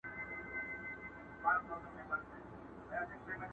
ماسومان هغه ځای ته له ليري ګوري او وېرېږي،